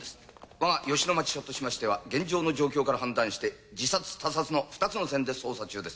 我が吉野町署としましては現場の状況から判断して自殺他殺の２つの線で捜査中です。